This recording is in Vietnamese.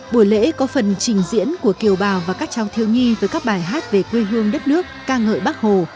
buổi lễ có phần trình diễn của kiều bào và các cháu thiếu nhi với các bài hát về quê hương đất nước ca ngợi bắc hồ